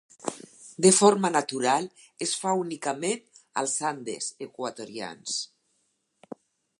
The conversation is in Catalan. De forma natural es fa únicament als Andes equatorians.